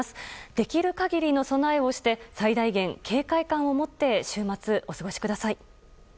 できる限りの備えをして最大限、警戒感を持って週末お過ごしください。